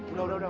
udah udah udah